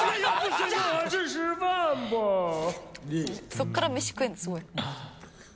そこから飯食えるのすごい。